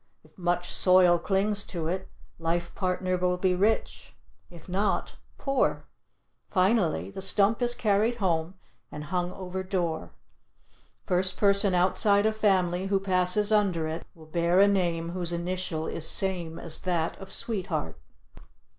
If much soil clings to it, life partner will be rich; if not, poor. Finally, the stump is carried home and hung over door, first person outside of family who passes under it will bear a name whose initial is same as that of sweetheart.